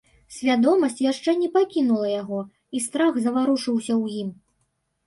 Свядомасць яшчэ не пакінула яго, і страх заварушыўся ў ім.